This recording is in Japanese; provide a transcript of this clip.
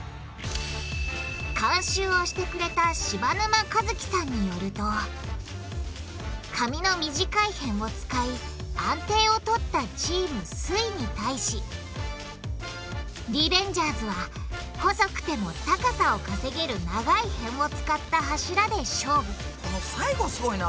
監修をしてくれた柴沼一樹さんによると紙の短い辺を使い安定をとったチームすイに対しリベンジャーズは細くても高さを稼げる長い辺を使った柱で勝負この最後すごいな！